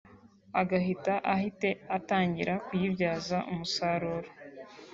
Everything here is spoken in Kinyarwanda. agahita ahite atangira kuyibyaza umusaruro